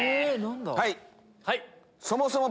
はい！